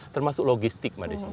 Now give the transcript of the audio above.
termasuk logistik di sini